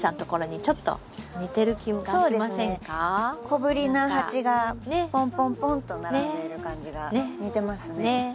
小ぶりな鉢がポンポンポンと並んでる感じが似てますね。